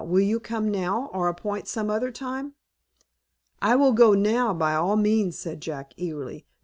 Will you come now, or appoint some other time?" "I will go now by all means," said Jack, eagerly.